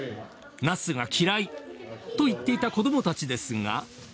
ナスが嫌いと言っていた子どもたちですが。